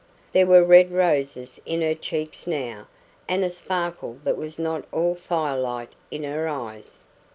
There were red roses in her cheeks now, and a sparkle that was not all firelight in her eyes.